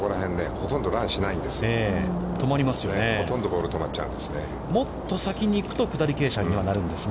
ほとんどボールが止まっちゃうんですね。